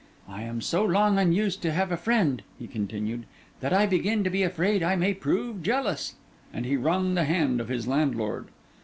'I am so long unused to have a friend,' he continued, 'that I begin to be afraid I may prove jealous.' And he wrung the hand of his landlord.